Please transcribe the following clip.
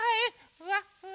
ふわふわ。